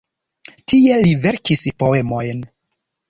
Tie li verkis poemojn.